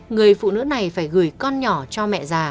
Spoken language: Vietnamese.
người phụ nữ này phải gửi con nhỏ cho mẹ già